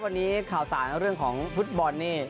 วันนี้ข่าวสารเรื่องของฟุตบอลนี่